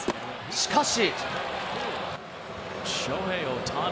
しかし。